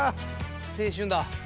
青春だ。